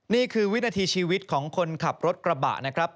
นี่คือวินาทีชีวิตของคนขับรถกระบะนะครับ